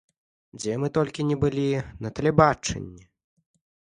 Дзе мы толькі ні былі на тэлебачанні!